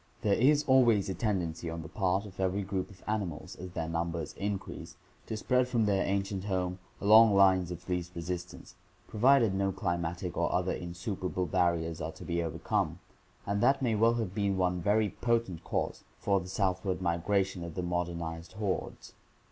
— There is always a tendency on the part of every group of animals, as their numbers increase, to spread from their ancient home along lines of least resistance, provided no climatic or other insuperable barriers are to be overcome, and that may well have been one very potent cause for the southward migration of the modernized hordes.